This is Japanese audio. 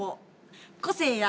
個性や。